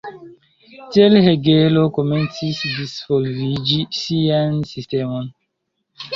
Tiel Hegelo komencis disvolviĝi sian sistemon.